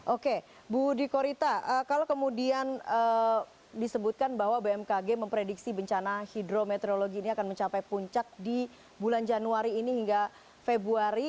oke bu dikorita kalau kemudian disebutkan bahwa bmkg memprediksi bencana hidrometeorologi ini akan mencapai puncak di bulan januari ini hingga februari